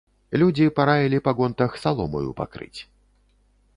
Людзі параілі па гонтах саломаю пакрыць.